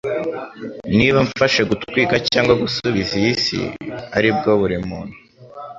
Niba mfashe gutwika cyangwa gusubiza iyi si aribwo buri muntu